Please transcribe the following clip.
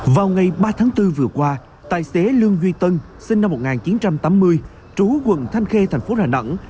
vào ngày ba tháng bốn vừa qua tài xế lương duy tân sinh năm một nghìn chín trăm tám mươi trú quận thanh khê thành phố đà nẵng